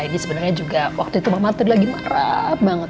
ini sebenarnya juga waktu itu bang martin lagi marah banget